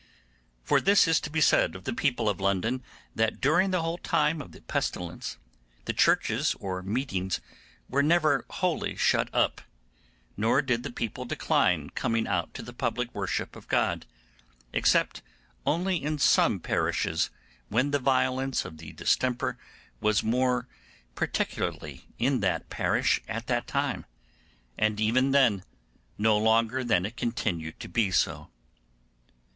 For this is to be said of the people of London, that during the whole time of the pestilence the churches or meetings were never wholly shut up, nor did the people decline coming out to the public worship of God, except only in some parishes when the violence of the distemper was more particularly in that parish at that time, and even then no longer than it continued to be so.